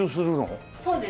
そうですね。